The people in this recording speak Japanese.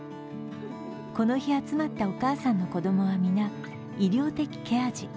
この日集まったお母さんの子供は皆、医療的ケア児。